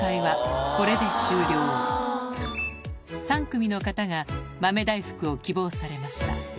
３組の方が豆大福を希望されました